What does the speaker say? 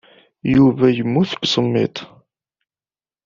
Yuba yemmut seg usemmiḍ.